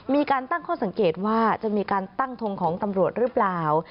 มีการตั้งข้อสังเกตว่าจะมีการตั้งทงของตำรวจหรือเปล่า